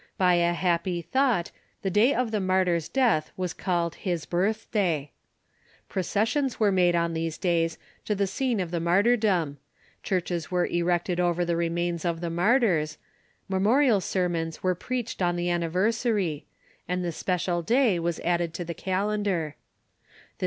By a happy thought, the day of the martyr's death was called his " birth day," Processions were made on these days to the scene of the martyrdom, churches were erected over the re mains of the martyrs, memorial sermons were preached on the anniversary, and the special day was added to the calendar.